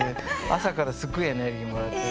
朝からすっごいエネルギーもらって。